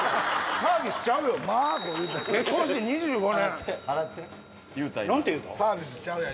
「サービスちゃうやん」